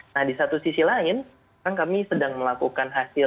nah di satu sisi lain sekarang kami sedang melakukan hasil